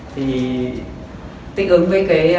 thì tích ứng với cái nước rồi